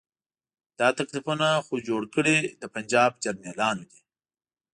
دا تکلیفونه خو جوړ کړي د پنجاب جرنیلانو دي.